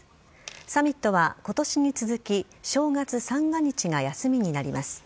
サミットは今年に続き正月三が日が休みになります。